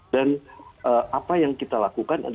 dan apa yang kita lakukan